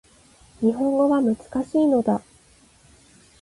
日本語は難しいのだ